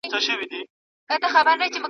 هغه چي ته یې د غیرت له افسانو ستړی سوې